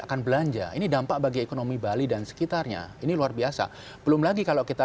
akan belanja ini dampak bagi ekonomi bali dan sekitarnya ini luar biasa belum lagi kalau kita